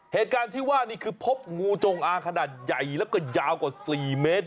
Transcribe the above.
เหตุการณ์ที่ว่านี่คือพบงูจงอางขนาดใหญ่แล้วก็ยาวกว่า๔เมตร